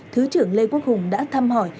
thứ trưởng lê quốc hùng đã thăm hỏi